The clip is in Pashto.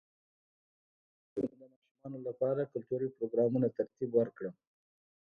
څنګه کولی شم د ماشومانو لپاره د کلتوري پروګرامونو ترتیب ورکړم